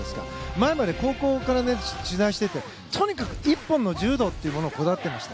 前まで、高校から取材していてとにかく一本の柔道にこだわっていました。